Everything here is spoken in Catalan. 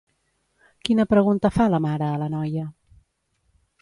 Quina pregunta fa la mare a la noia?